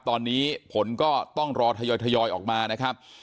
ตอนนี้ผลก็ต้องรอทยอยออกมานะครับ